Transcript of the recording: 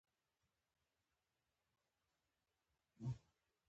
خو نوموړی وايي